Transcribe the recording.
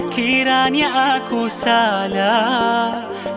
kiranya aku salah